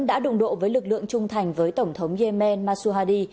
đã đụng độ với lực lượng trung thành với tổng thống yemen masuhadi